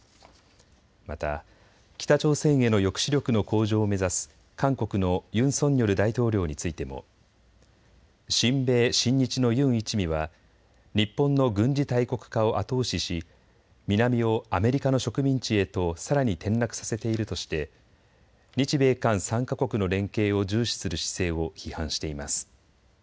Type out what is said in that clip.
また、北朝鮮への抑止力の向上を目指す韓国のユン・ソンニョル大統領についても親米、親日のユン一味は日本の軍事大国化を後押しし南をアメリカの植民地へとさらに転落させているとして日米韓３か国の連携を重視する姿勢を批判しています。